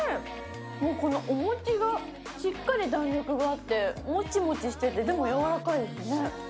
このお餅がしっかり弾力があってもちもちしててでも、やわらかいですね。